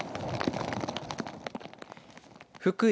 福井